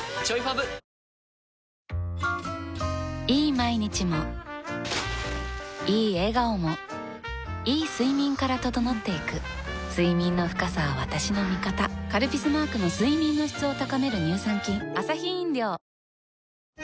毎日もいい笑顔もいい睡眠から整っていく睡眠の深さは私の味方「カルピス」マークの睡眠の質を高める乳酸菌ニューアクアレーベルオールインワン